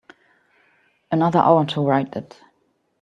Another hour to write it.